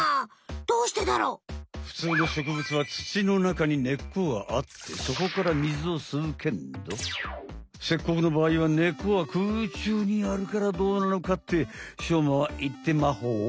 ふつうの植物はつちの中に根っこがあってそこから水をすうけんどセッコクのばあいは根っこは空中にあるからどうなのかってしょうまはいってまほ。